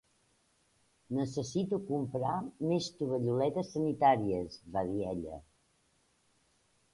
Necessito comprar més tovalloletes sanitàries, va dir ella.